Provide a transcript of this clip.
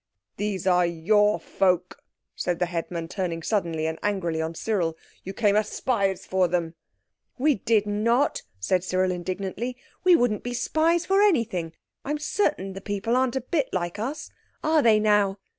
"These are your folk," said the headman, turning suddenly and angrily on Cyril, "you came as spies for them." "We did not," said Cyril indignantly. "We wouldn't be spies for anything. I'm certain these people aren't a bit like us. Are they now?"